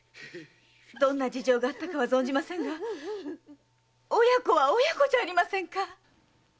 どんな事情があったかは存じませんが親子は親子じゃありませんか！